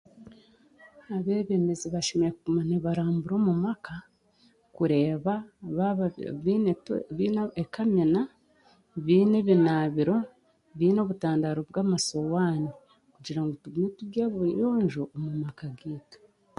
Abeebembezi bashemereire kuguma nibarambura omu maka kureeba baaba biine eto, ekamina, biine ebinaabiro, biine obutandaaro bw'amasowaani kugira ngu tugume turi abayonjo omu maka gaitu.